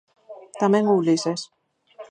Tamén o Ulises.